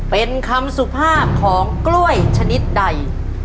เป็นคำสุภาพของกล้วยชนิดใด